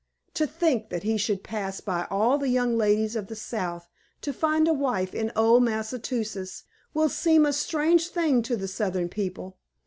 To think that he should pass by all the young ladies of the South, to find a wife in old Massachusetts, will seem a strange thing to the Southern people.